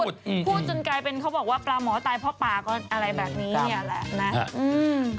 พูดจนกลายเป็นเขาบอกว่าปลาหมอตายเพราะปลาก็อะไรแบบนี้